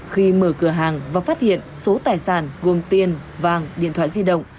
khi mở cửa hàng và phát hiện số tài sản gồm tiền vàng điện thoại di động